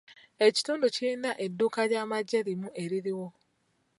Ekitundu kirina edduuka ly'amagye limu eririwo.